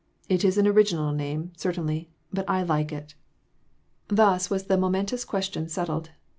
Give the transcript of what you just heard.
"It is an original name, certainly, but I like it." Thus was the moment J. S. R. 427 ous question settled.